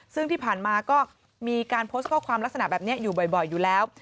ซึ่งที่ผ่านมาก็มีการโพสต์ข้อความลักษณะแบบนี้อยู่บ่อยอยู่แล้ว